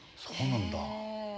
そうなんだ？